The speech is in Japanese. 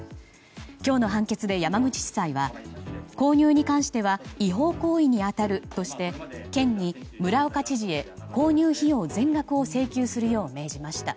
今日の判決で山口地裁は購入に関しては違法行為に当たるとして県に村岡知事へ購入費用全額を請求するよう命じました。